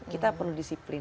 kita perlu disiplin